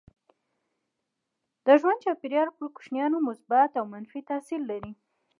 د ژوند چاپيریال پر کوچنیانو مثبت او منفي تاثير لري.